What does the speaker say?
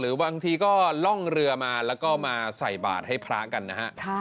บางทีก็ล่องเรือมาแล้วก็มาใส่บาทให้พระกันนะฮะ